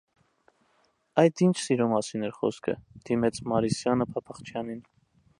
- Այդ ի՞նչ սիրո մասին էր խոսքդ,- դիմեց Մարիսյանը Փափախչյանին: